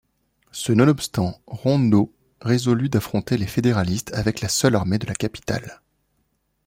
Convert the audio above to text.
Ce nonobstant, Rondeau résolut d’affronter les fédéralistes avec la seule armée de la capitale.